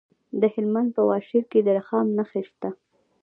د هلمند په واشیر کې د رخام نښې شته.